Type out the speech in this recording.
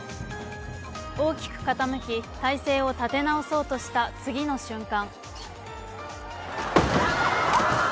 大きく傾き体勢を立て直そうとした次の瞬間